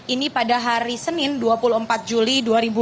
ini pada hari senin dua puluh empat juli dua ribu dua puluh